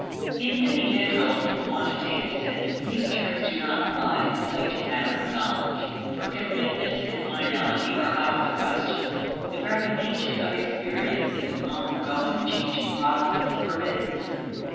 In any literal and quantitative sense, these terms do not apply to the subject matter of knowledge, for completeness and finality are out of the question. The very nature of experience as an ongoing, changing process forbids.